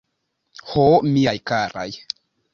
Ho, miaj karaj!